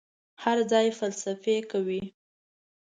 هر ځای فلسفې کوي.